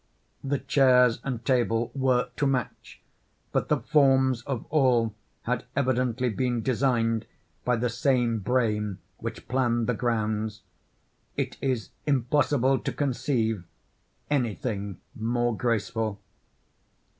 The chairs and table were "to match," but the forms of all had evidently been designed by the same brain which planned "the grounds;" it is impossible to conceive anything more graceful.